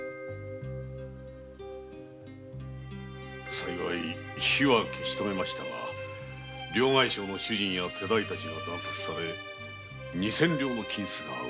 幸い火は消し止めましたが両替商の主人や手代たちが惨殺され二千両の金子が奪われました。